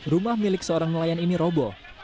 rumah milik seorang nelayan ini robo